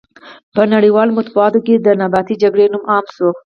په نړیوالو مطبوعاتو کې د نیابتي جګړې نوم عام شوی.